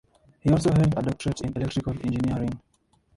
He also held a doctorate in electrical engineering.